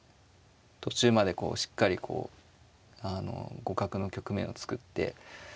途中までこうしっかりこうあの互角の局面を作ってまあ